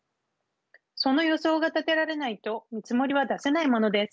その予想が立てられないと見積もりは出せないものです。